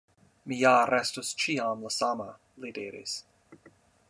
Mi ja restos ĉiam la sama, li diris.